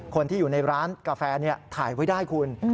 คนที่อยู่ในร้านกาแฟถ่ายไว้ได้คุณ